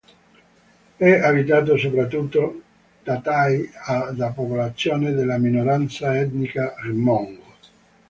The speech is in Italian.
È abitato soprattutto da thái e da popolazioni della minoranza etnica hmong.